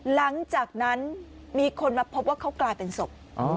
หลังจากนั้นมีคนมาพบว่าเขากลายเป็นศพ